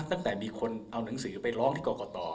ตั้งแต่มีคนเอาหนังสือไปร้องที่กรกต